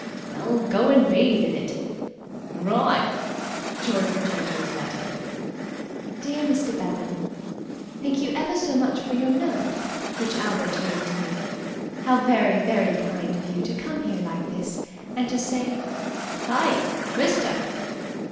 "Well, go and bathe in it." "Wri'!" George returned to his letter. "DEAR MR. BEVAN, "Thank you ever so much for your note, which Albert gave to me. How very, very kind of you to come here like this and to say ... "Hey, mister!"